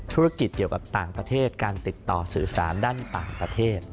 ธุรกิจเกี่ยวกับต่างประเทศการติดต่อสื่อสารด้านต่างประเทศ